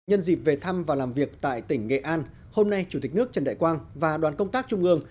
nhân dịp về thăm và làm việc tại tỉnh nghệ an hôm nay chủ tịch nước trần đại quang và đoàn công tác trung ương